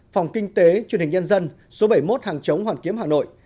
phòng kinh tế truyền hình nhân dân số bảy mươi một hàng chống hoàn kiếm hà nội